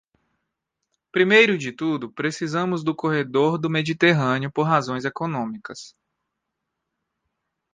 Primeiro de tudo, precisamos do corredor do Mediterrâneo por razões econômicas.